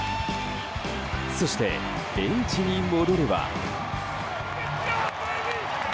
そして、ベンチに戻れば。